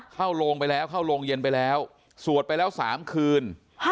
เข้าโรงไปแล้วเข้าโรงเย็นไปแล้วสวดไปแล้ว๓คืน